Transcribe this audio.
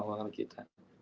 ini kerongkongan kita